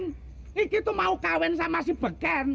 si beken itu mau kawin sama si beken